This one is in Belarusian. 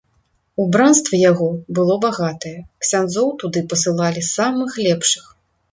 Убранства яго было багатае, ксяндзоў туды пасылалі самых лепшых.